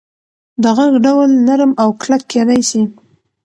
د غږ ډول نرم او کلک کېدی سي.